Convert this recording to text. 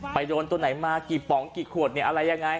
ไปโดนตัวไหนมาไกลนี่ฟองอะไรยังไง